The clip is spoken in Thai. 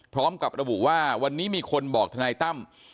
พร้อมกับระบุว่าวันนี้มีคนบอกทนายตั้ม